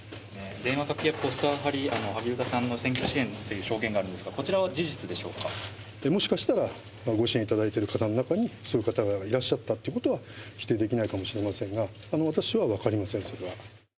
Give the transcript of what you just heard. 電話かけやポスター貼り、萩生田さんの選挙支援という証言があるんですが、こちらは事実でもしかしたら、ご支援いただいてる方の中に、そういう方がいらっしゃったっていうことは否定できないかもしれませんが、私は分かりません、それは。